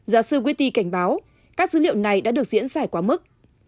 giáo sư wity cảnh báo các dữ liệu này đã được diễn giải quá mức